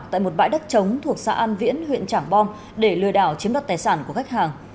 tại một bãi đất trống thuộc xã an viễn huyện trảng bom để lừa đảo chiếm đoạt tài sản của khách hàng